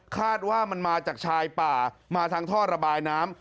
คาดว่ามันมาจากชายป่ามาทางท่อระบายน้ำ